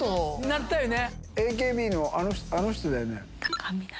なったよね。